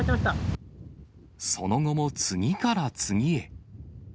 その後も次から次へ。